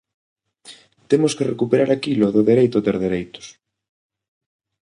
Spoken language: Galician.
Temos que recuperar aquilo do dereito a ter dereitos.